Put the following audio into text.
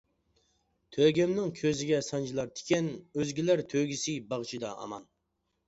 تۆگەمنىڭ كۆزىگە سانجىلار تىكەن، ئۆزگىلەر تۆگىسى باغچىدا ئامان.